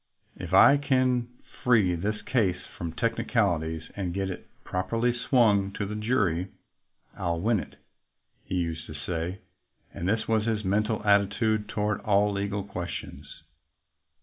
"If I can free this case from technicalities and get it properly swung to the jury, I'll win it," he used to say; and this was his mental attitude toward all legal questions.